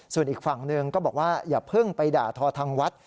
ส่วนอีกฝั่งหนึ่งอย่าเพิ่งไปด่าทท์ทางวัด